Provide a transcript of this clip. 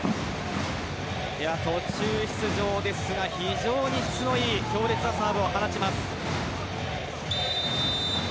途中出場ですが非常に質の良い強烈なサーブを放ちます。